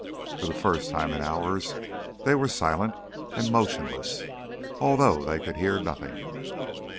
For the first time in hours they were silent and motionless, although they could hear nothing.